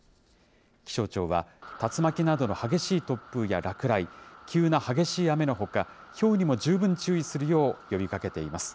気象庁は、竜巻などの激しい突風や落雷、急な激しい雨のほか、ひょうにも十分注意するよう呼びかけています。